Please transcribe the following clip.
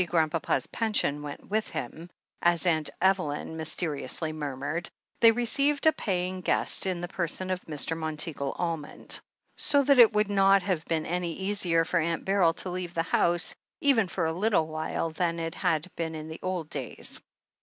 Grand papa's pension went with him," as Aunt Eveljm mys 325 326 THE HEEL OF ACHILLES teriously murmured) — they received a pa3ring guest in the person of Mr. Monteagle Almond. So that it would not have been any easier for Aunt Beryl to leave the house, even for a little while, than it had been in the old days.